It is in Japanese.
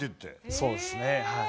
そうですねはい。